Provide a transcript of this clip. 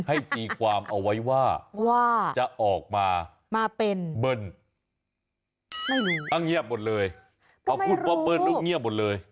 ให้มีความเอาไว้ว่าจะออกมาเป็นเบิ้ลอังเงียบหมดเลยประพูดเพราะเบิ้ลอังเงียบหมดเลย